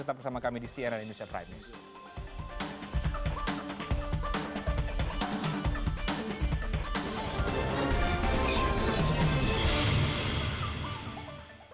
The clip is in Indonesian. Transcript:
tetap bersama kami di cnn indonesia prime news